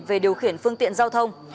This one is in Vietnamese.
về điều khiển phương tiện giao thông